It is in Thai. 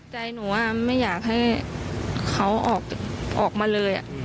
ใจหนูไม่อยากให้เขาออกมาเลย